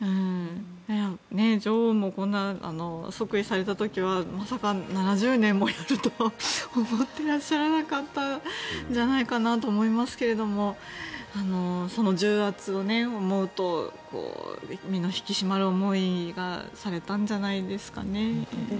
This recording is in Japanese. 女王も即位された時はまさか、７０年もやるとは思っていらっしゃらなかったんじゃないかと思いますけれどもその重圧を思うと身の引き締まる思いがされたんじゃないですかね。